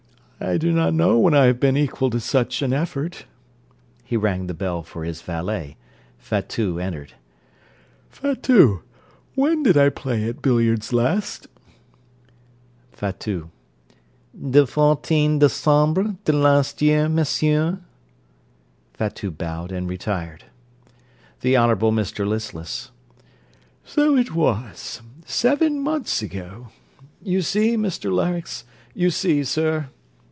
I do not know when I have been equal to such an effort. (He rang the bell for his valet. Fatout entered.) Fatout! when did I play at billiards last? FATOUT De fourteen December de last year, Monsieur. (Fatout bowed and retired.) THE HONOURABLE MR LISTLESS So it was. Seven months ago. You see, Mr Larynx; you see, sir.